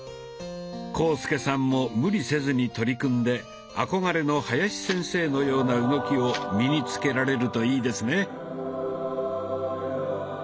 浩介さんも無理せずに取り組んで憧れの林先生のような動きを身に付けられるといいですね。